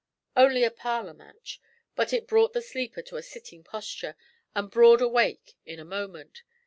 Only a parlour match, but it brought the sleeper to a sitting posture, and broad awake in a moment.